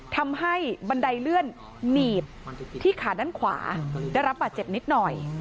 ทำให้บันไดเลื่อนหนีบที่ขาด้านขวาได้รับบาดเจ็บนิดหน่อย